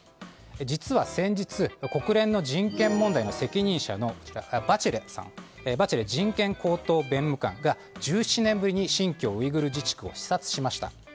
実は先日国連の人権問題の責任者のバチェレ人権高等弁務官が１７年ぶりに新疆ウイグル自治区を視察しました。